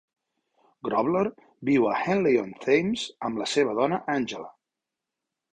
Grobler viu a Henley-on-Thames amb la seva dona Angela.